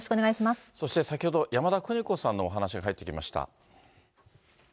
そして、先ほど、山田邦子さんのお話が入ってきました。